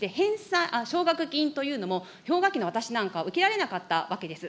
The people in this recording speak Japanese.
奨学金というのも氷河期の私なんか受けられなかったわけです。